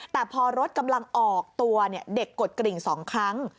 แต่พอรถกำลังออกตัวเด็กกดกริ่ง๒ครั้ง